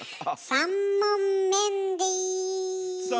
３問メンディー。